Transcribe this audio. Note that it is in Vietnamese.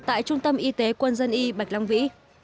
tại trung tâm y tế quân dân y bạch long vĩ